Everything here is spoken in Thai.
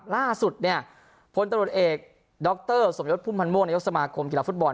ล่าสุดเนี่ยพ้นตรวจเอกด็อกเตอร์สมยศพุ่มพันโมในยกสมาคมกีฬาฟุตบอล